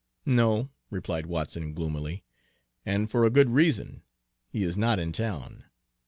"No," replied Watson gloomily, "and for a good reason, he is not in town.